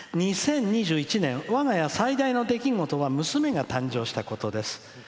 ２０２１年わが家最大の出来事は娘が誕生したことです」。